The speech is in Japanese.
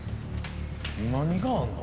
何があんの？